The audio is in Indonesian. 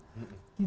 sebagai masa depan